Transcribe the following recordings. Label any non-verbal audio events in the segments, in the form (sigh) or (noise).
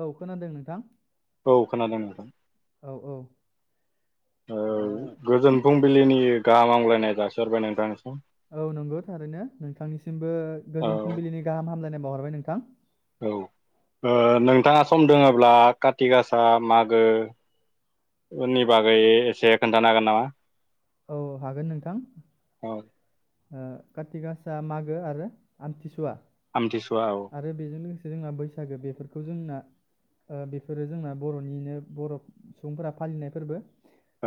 औ खोनादों नोंथां औ खोनादों नोंथां औ औ ओ गोजोन फुं बिलिनि गाहामलायनाय जासिहरबाय नोंथांनि औ नंगौ थारैनो नोंथांनिसिमबो औ गोजोन फुंबिलिनि गाहाम हामलायनाय बावहरबाय नोंथां औ ओ नोंथाङा सम दोङोब्ला काति गासा मागोनि बागै एसे खोन्थानो हागोन नामा? औ हागोन नोंथां। औ ओ कारति गासा मागो आरो आमथिसुवा। हमथिसुआ औ। जोंहा बैसागो बेफोरखौ जोंना बेफोरो जोंना बरनिनो बर सुबुंफोरा फालिनाय फोरबो।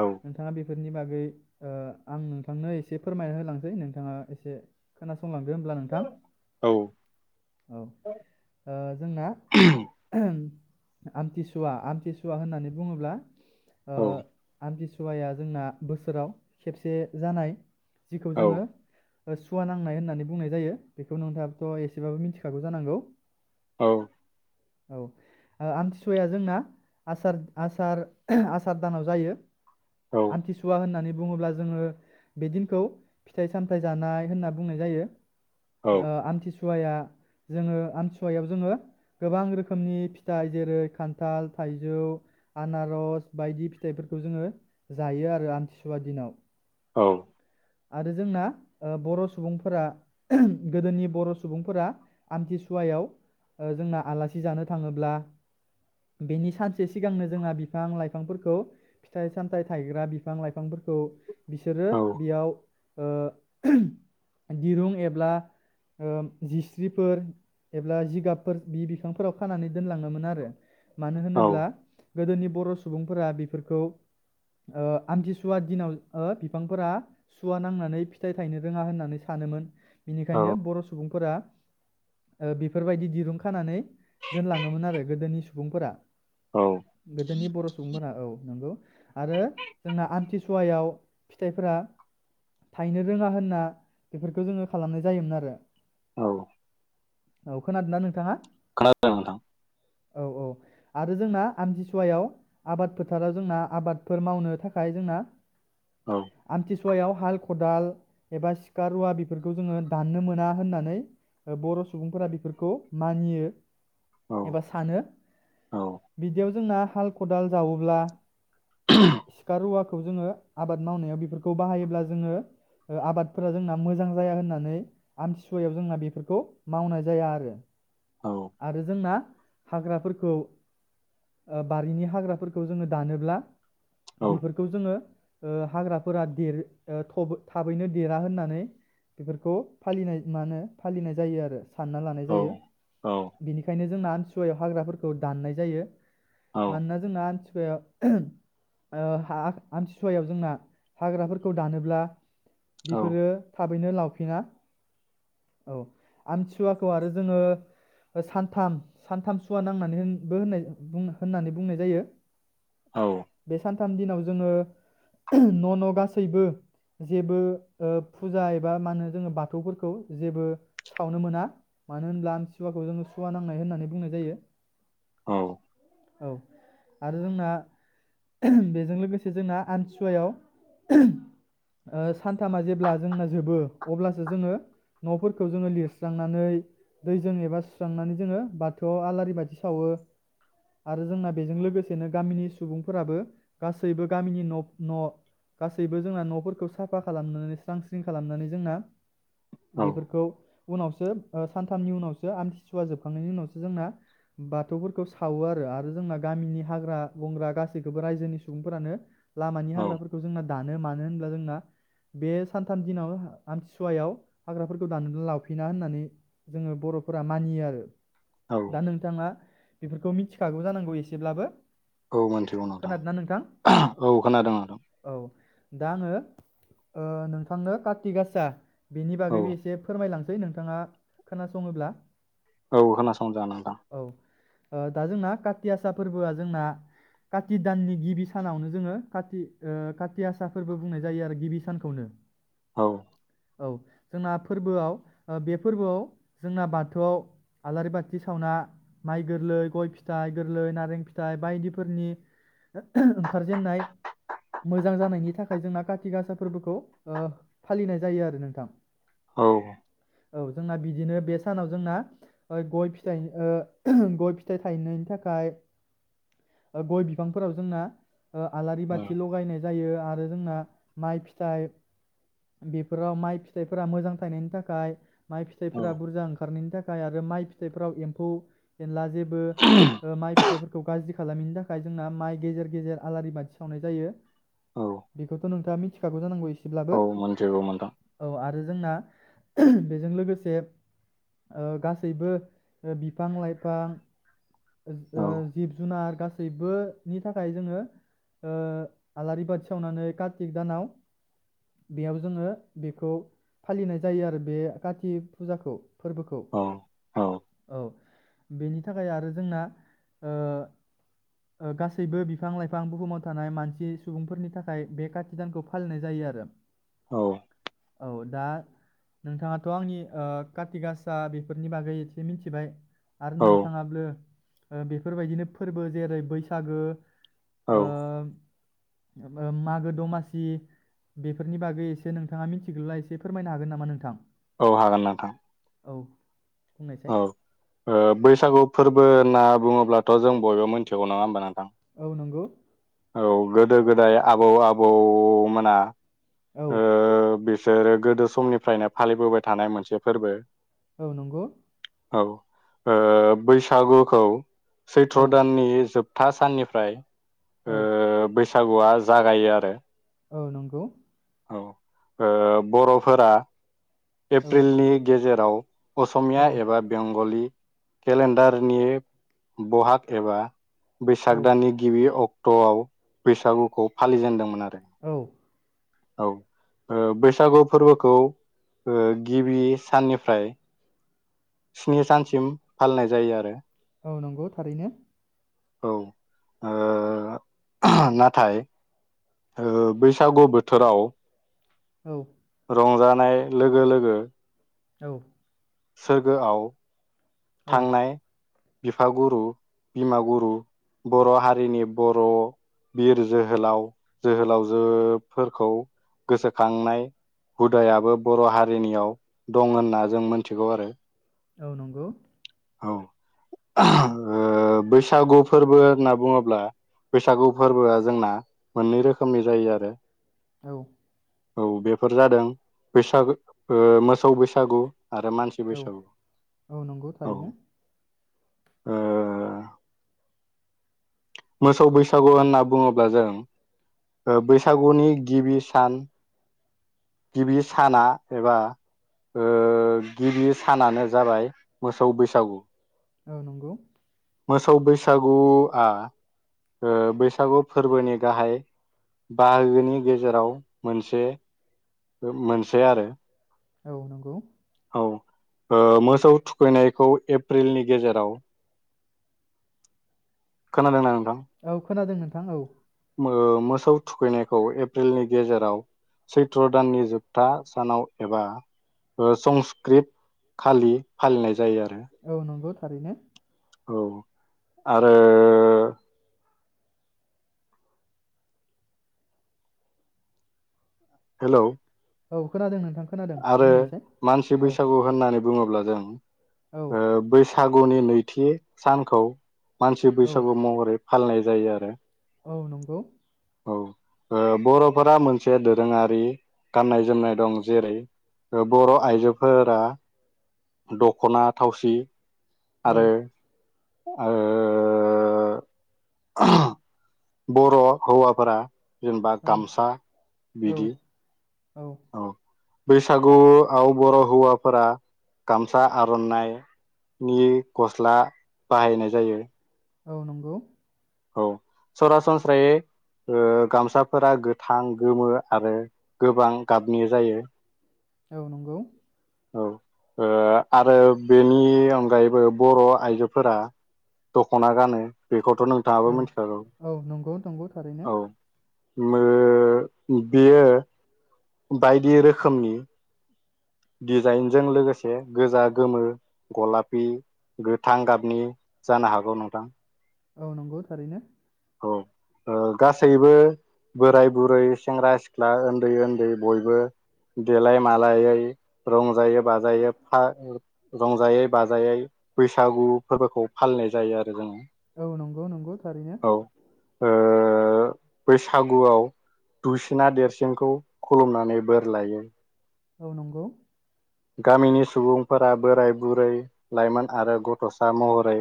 औ नोंथाङा बे बे फोरनि बागै। ओ आं नोंथांनो एसे फोरमायना होलांसै नोंथाङा एसे खोनासं। संलांदो हब्ला नोंथां औ ओ जोंना। आमथिसुवा-आमथिसुवा होननानै बुङोब्ला। ओ औ आमथिसुया सुवाया जोंना बोसोराव। खेबसे जानाय। जिखौ जोङो। सुवा नांनाय होननानै बुंनाय जायो बेखौ नोंथाङाथ एसेबाबो मिथिखागौ जानांगौ। औ औ ओ आमथिसुवाया जोंना आसार-आसार-आसार दानाव जायो। आमथिसुवा होननानै। बुङोब्ला जोङो बे दिनखौ फिथाइ सामथायाइ जानाय होनना बुंनाय जायो। ओ औ आथिसुवा आमथिसुवाया जोङो आमथिसुवायाव जोङो गोबां रोखोमनि फिथाइ जेरै खान्थाल थाइजौ आनारस बायदि फिथाइफोरखौ जोङो जायो आरो आमथि आमथिसुवा दिनाव औ आरो जोंना बर' सुबुंफोरा गोदोनि बर' सुबुंफोरा आमथिसुवायाव जोंना आलासि जानो थाङोब्ला बेनि सानसे सिगांनो जोंना बिफां लाइफांफोरखौ फिथाइ सामथाइ थायग्रा बिफां लाइ बिफांफोरखौ बिसोरो बेयाव ओ दिरुं एबा जिस्रिफोर एबा जिगाबफोर बि बिफांफोराव खानानै दोनलाङोमोन आरो। मानो होनोब्ला औ गोदोनि बर' सुबुंफोरा बेफोरखौ ओ आमथिसुवा सुवा दिनाव बिफांफोरा सुवा नांनानै फिथाइ थायनो रोङा होननानै सानोमोन। बिनिखायनो बर' सुबुंफोरा ओ बेफोरबायदि दिरुं खानानै दोनलाङोमोन आरो गोदोनि सुबुंफोरा। औ गोदोनि बर' सुबुंफोरा औ नंगौ आरो जोंना आमथि सुवयाव फिथाइफोरा थनो रोङा होनना बेफोरखौ जोङो खालामनाय जायोमोन आरो औ औ खोनादोंना नोंथाङा खोनादों नोंथां औ औ आरो जोंना आमथिसुवायाव आबाद फोथाराव जोंना आबादफोर मावनो थाखाय जोंना। औ आमथि सुवायाव हाल खदाल एबा सिखा रुवा बेफोरखौ जोङो दाननो मोना होननानै बर' सुबुंफोरा बेफोरखौ मानियो औ एबा सानो औ बिदियाव जोंना हाल खदाल जावोब्ला सिखा रुवाखौ जोङो। आबाद मावनायाव बेफोरखौ बाहायोब्ला जोङो ओ आबादफोरा जोंना मोजां जाया होननानै आमथिसुवायाव जोंना बेफोरखौ मावनाय जाया आरो औ आरो जोंना हाग्राफोरखौ ओ बारिनि हाग्राफोरखौ जोङो दानोब्ला। औ बेफोरखौ जोङो ओ हाग्राफोरा देर ओ थब थाबैनो देरा होननानै बेफोरखौ फालिनाय मा होनो फालिनाय जायो आरो। सानना लानाय जायो औ बिनिखायनो जोंना सुवायाव हाग्राफोरखौ दान्नाय जायो। मानोना जोंना आम ओ हा आम सुवायाव जोंना हाग्राफोरखौ दानोब्ला बेफोरो थाब थाबैनो लावफिना औ आमथिुवाखौ आरो जोङो सानथाम सानथाम सुवा नांनानै होन्नानै बो होननानै बुंनाय जायो औ बे सानथाम दिनाव जोङो न' न' गासैबो जेबो ओ फुजा एबा मा होनो जोङो बाथौफोरखौ जेबो सावनो मोना मानो होनब्ला आमसुवाखौ जोङो सुवा नांनाय होननानै बुंनाय जायो। औ औ आरो जोंना बेजों लोगोसे जोंना आम सुवायाव ओ सानथामा जेब्ला जोंना जोबो अब्लासो जोङो न'फोरखौ जोङो लिरस्रांनानै दैजों एबा सुस्रांनानै जोङो बाथौआव आलारि बाथि सावो आरो जोंना बेजों लोगोसेनो गामिनि सुबुंफोराबो गासैबो गामिनि न' न' गासैबो जोंना न'फोरखौ साफा खालामनानै स्रां स्रिं खालामनानै जोंना औ बेफोरखौ उनावसो सानथामनि उनावसो आमथिसुवा जोबखांनायनि उनावसो जोंना बाथौफोरखौ सावो आरो आरो जोंना गामिनि हाग्रा बंग्रा गासैखौबो रायजोनि सुबुंफोरानो लामानि औ हाग्राफोरखौ जोंना दान नों मानो मानो होनब्ला जोंना बे सानथाम दिनाव आमथिसुवायाव हाग्राफोरखौ दाननानै लावफिना होननानै जोङो बर'फोरा मानियो आरो। औ दा नोंथाङा बेफोरखौ मिथिखागौ जानांगौ एसेब्लाबो। औ मोनथिगौ नोंथां औ। खोनादों नोंथां औ दा आङो ओ नोंथांनो कार्ति गासा बेनि औ बागैबो एसे फोरमायलांसै सै नोंथाङा खोनासङोब्ला। औ खोनासंजागोन नोंथां। औ ओ दा जोंना काति आसा फोरबोआ जोंना काति दाननि गिबि सानावनो जोङो काति ओ काथि आसा फोरबो बुंनाय जायो आरो गिबि सानखौनो‌। औ औ जोंना फोरबोआव ओ बे फोरबोआव जोंना बाथौआव आलारि बाथि सावना माइ गोरलै गय फिथाइ गोरलै नारें फिथाइ बायदिफोरनि ओंखारजेनाय मोजां जानायनि थाखाय जोंना काति गासा फोरबोखौ ओ फालिनाय जायो आरो नोंथां। औ औ जोंना बिदिनो बे सानाव जोंना गय फिथाइ ओ गय फिथाइ थायनायनि थाखाय गय बिफांफोराव जोंना ओ आलारि बा आरो जोंना माइ फिथाइ बेफोराव माइ फिथाइफोरा मोजां थनायनि थाखाय। माइ औ फिथफोरा बुरजा। खारनायनि थाखाय आरो माइ फिथाइफ्राव एम्फौ एनला जेबो। (unintelligible) फिथाइफोरखौ गाज्रि खालामैनि थाखाय जोंना माइ गेजेर गेजेर आलारि बाथि सावनाय। जायो औ बेखौथ' नोंथाङा औ मिथिखा। मोनथिगौ नोंथां औ आरो जोंना। बेजों लोगोसे गासैबो बिफां लाइफां। औ जिब जुनार गासैबो। नि थाखाय जोङो। आलारि बाथि सावनानै कार्तिक दानाव बेयाव जोङो बेखौ फालिनाय जायो आरो बे काति फुजाखौ। फोरबोखौ औ औ औ‌। बेनि थाखाय आरो जोंना गासैबो बिफां लाइफां बुहुमाव। थानाय मानसि सुबुंफोरनि थाखाय बे कातिक दानखौ फालिनाय जायो आरो। औ। औ दा नोंथाङाथ' आंनि कारति गासा बेफोरनि बागै एसे मिथिबाय। आरो औ नोंथाङाबो। बेफोरबायदिनो फोरबो जेरै बैसागो। औ। ओम मागो दमासि बेफोरनि बागै एसे नोंथाङा मिथिगौला एसे फोरमायनो हागोन नामा नोंथां? औ हागोन नोंथां। औ बुंनायसाय औ ओ बैसागु फोरबो होनना बुङोब्लाथ' जों बयबो मिथिगौ नङा होमबा औ नंगौ। औ गोदो गोदाय आबौ आबौमोना औ ओह बिस सोरो गोदो समनिफ्रायनो फालिबोबाय थानाय मोनसे फोरबो। औ नंगौ। औ ओह बैसागुखौ औ सैथ्र' दाननि जोब था साननिफ्राय औ। सागुआ जागायो आरो। औ नंगौ। औ ओह बर'फोरा औ एप्रिलनि गेजेर आव असमिया औ एबा बेंगलि केलेन्डारनि बहाग एबा बैसाग औ दाननि गिबि अक ट'आव बैसागुखौ फालिजेन्दोंमोन आरो। औ। औ ओ बैसागु फोरबोखौ ओ गिबि साननिफ्राय स्नि सानसिम फालिनाय जायो आरो। औ नंगौ थारैनो। औ ओ नाथाय ओ बैसागु बोथोराव औ। रंजानाय लोगो लोगो औ। सोरगोआव औ थांनाय बिफागुरु बिमागुरु बर' हारिनि बर' बिर जोहोलाव जोहोलावजोफोरखौ गोसोखांनाय हुदायाबो बर' हारिनियाव दं होनना जों मोनथिगौ आरो। औ नंगौ। औ ओ बैसागु फोरबो होन्ना बुङोब्ला बैसागु फोरबोआ जोंना मोन्नै रोखोमनि जायो आरो। औ। औ बेफोर जादों बैसाग मोसौ बैसागु आरो मानसि औ बैसागु। औ नंगौ औ थारैनो। ओ मोसौ बैसागु होनना बुङोब्ला जों ओ बैसागुनि गिबि सान गिबि साना एबा ओ गिबि सानानो जाबाय मोसौ बैसागु औ नंगौ मोसौ बैसागुआ ओ बैसागु फोरबोनि गाहाय बाहागोनि गेजेराव मोनसे मोनसे आरो औ नंगौ औ ओ मोसौ थुखैनायखौ एप्रिलनि गेजेराव खोनादों नों औ खोनादों नोंथां औ मो मोसौ थुखैनायखौ एप्रिलनि गेजेराव सैत्र दाननि जोबथा सानाव एबा संस्कृत खालि फालिनाय जायो आरो औ नंगौ थारैनो औ आरो हेलौ औ खोनादों नों आरो मानसि बैसागु होननानै बुङोब्ला जों औ ओ बैसा फागुननि नैथि सानखौ मानसि औ बैसागु महरै फालिनाय जायो आरो औ नंगौ औ ओ बर'फोरा मोनसे दोरोङारि गाननाय जोमनाय दं जेरै बर' आइजोफोरा दख'ना थावसि औ आरो ओ बर' हौवाफोरा जेनेबा औ गामसा औ बिदि औ बैसागुआव बर' हौवाफोरा गामसा आर'नाइनि गस्ला बाहायनाय जायो औ नंगौ औ सरासनस्रायै ओ गामसाफोरा गोथां गोमो आरो गोबां गाबनि जायो औ नंगौ औ ओ आरो बेनि अनगायैबो बर' आइजोफोरा दख'ना गानो बेखौथ' औ नोंथाङाबो मिनथिखागौ औ नंगौ नंगौ थारैनो औ मा बेयो बायदि रोखोमनि दिडजाइनजों लोगोसे गोजा गोमो गलापि गोथां गाबनि जानो हागौ नोंथां औ नंगौ थारैनो औ ओ गासैबो बोराय बुरै सेंग्रा सिख्ला उन्दै उन्दै बयबो देलाय मालायै रंजायै बाजायै रंजायै बाजायै बैसागु फोरबोखौ फालिनाय जायो आरो जोङो औ नंगौ नंगौ थारैनो औ ओ बैसागुआव दुसिना देरसिनखौ खुलुमनानै बोर लायो औ नंगौ गामिनि सुबुंफोरा बोराय बुरै लाइमोन आरो गथ'सा महरै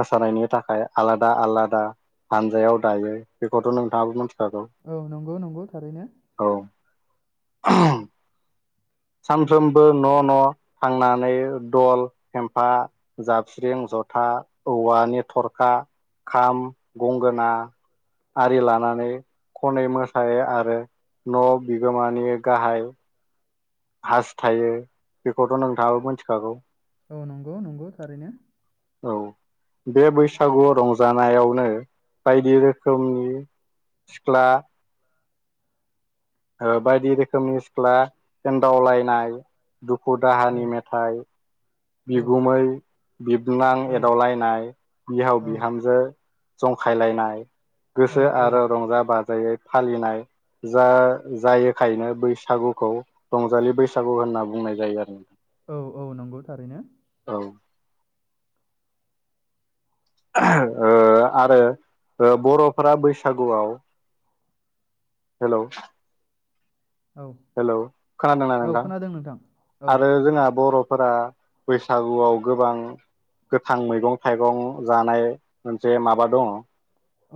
मोसानायनि थाखाय आलादा आलादा हानजायाव दायो बेखौथ' नोंथाङाबो मिथि औ नंगौ नंगौ थारैनो औ (unintelligible) सानफ्रोमबो न' न' थांनानै दल फेमफा जाबस्रिं जथा औवानि थरखा खाम गंगोना आरि लानानै खनै मोसायो आरो न' बिगोमानि गाहाय हास थायो बेखौथ' नोंथाङाबो मिथिखागौ औ नंगौ नंगौ थारैनो औ बे बैसागु रंजानायावनो बायदि रोखोमनि सिख्ला बायदि रोखोमनि सिख्ला एनदावलायनाय दुखु औ दाहानि मेथाइ औ बिगुमै बिबनां औ एदावलायनाय बिहाव औ बिहामजो जंखायलायनाय औ गोसो औ आरो रंजा बाजायै फालिनाय जा जायोखायनो बैसागुखौ रंजालि बैसागु होनना बुंनाय जायो आरो औ औ नंगौ थारैनो नोंथां। औ आरो बर'फोरा बैसागुआव हेलौ औ हेलौ खोनादोंना औ नोंथां खोनादों नोंथां औ आरो जोंआ बर'फोरा बैसागुआव गोबां गोथां मैगं थाइगं जानाय मोनसे माबा दङ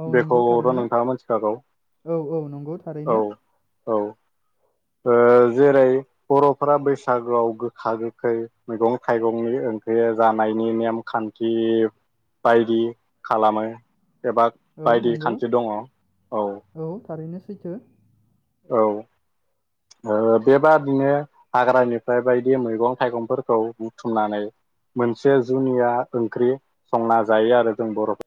औ नंगौ बेखौथ' थारैनो नोंथाङा मिथिखागौ औ औ नंगौ औ थारैनो औ ओ जेरै बर'फोरा बैसागोआव गोखा गोखै मैगं थाइगंनि ओंख्रिया जानायनि नेमखान्थि बायदि खालामो एबा औ बायदि नंगौ खान्थि दङ औ औ थारैनो सैथो औ ओ बेबादिनो हाग्रानिफ्राय बायदि मैगं थाइगंफोरखौ बुथुमनानै मोनसे जुनिया ओंख्रि संना जायो आरो जों बर' फो